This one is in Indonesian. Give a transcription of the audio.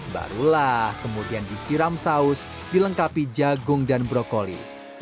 barulah kemudian disiram saus dilengkapi jagung dan brokoli